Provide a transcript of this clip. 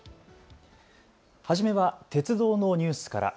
初めは鉄道のニュースから。